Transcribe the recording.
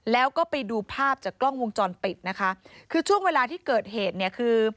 แล้วก็ไปดูภาพจากกล้องวงจรปิดนะคะคือช่วงเวลาที่เกิดเหตุเนี่ยคือ